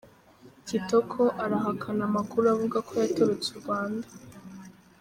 Kitoko arahakana amakuru avuga ko yatorotse u Rwanda.